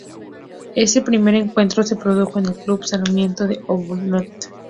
Ese primer encuentro se produjo en el Club Sarmiento de Humboldt.